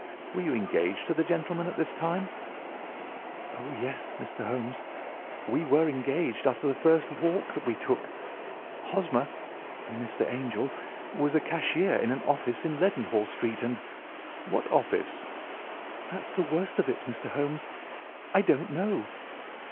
"Were you engaged to the gentleman at this time?" "Oh, yes, Mr. Holmes. We were engaged after the first walk that we took. Hosmer—Mr. Angel—was a cashier in an office in Leadenhall Street—and—" "What office?" "That's the worst of it, Mr. Holmes, I don't know."